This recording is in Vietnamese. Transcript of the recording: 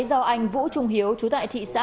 do anh vũ trung hiếu chú tại thị xã